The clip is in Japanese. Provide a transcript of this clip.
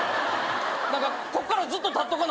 何かこっからずっと立っとかなあ